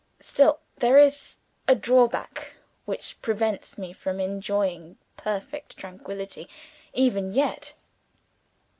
"Still there is a drawback which prevents me from enjoying perfect tranquillity even yet.